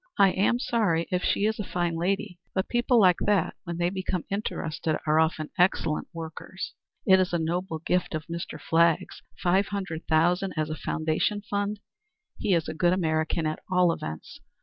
"I am sorry if she is a fine lady, but people like that, when they become interested, are often excellent workers. It is a noble gift of Mr. Flagg's $500,000 as a foundation fund. He's a good American at all events.